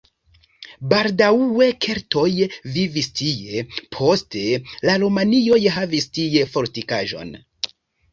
Baldaŭe keltoj vivis tie, poste la romianoj havis tie fortikaĵon.